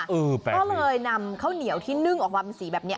เออแปลกเลยเขาเลยนำข้าวเหนียวที่นึ่งออกมาเป็นสีแบบเนี้ย